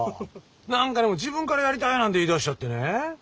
何かね自分からやりたいなんて言いだしちゃってね。